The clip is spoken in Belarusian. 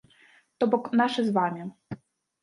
То бок, нашы з вамі.